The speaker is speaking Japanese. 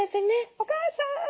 お母さん！